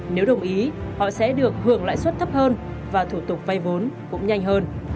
nếu đồng ý họ sẽ được hưởng lãi suất thấp hơn và thủ tục vay vốn cũng nhanh hơn